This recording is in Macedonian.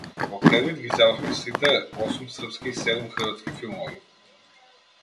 Во предвид ги зедовме сите осум српски и седум хрватски филмови.